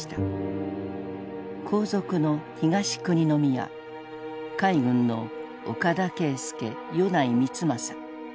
皇族の東久邇宮海軍の岡田啓介米内光政。